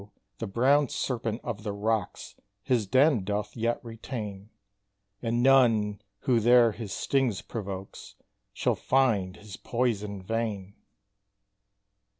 the brown Serpent of the Rocks His den doth yet retain; And none who there his stings provokes Shall find his poison vain!